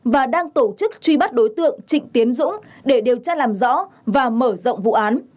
và đang tổ chức truy bắt đối tượng trịnh tiến dũng để điều tra làm rõ và mở rộng vụ án